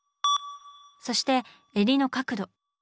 そして襟の角度。